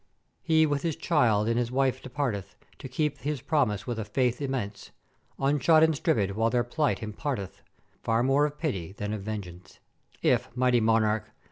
"He with his children and his wife departeth to keep his promise with a faith immense; unshod and strippèd, while their plight imparteth far more of pity than of vengeance: 'If, mighty Monarch!